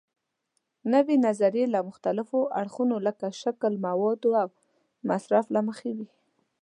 نوې نظریې له مختلفو اړخونو لکه شکل، موادو او مصرف له مخې وي.